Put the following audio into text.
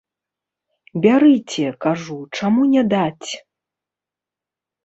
Бярыце, кажу, чаму не даць.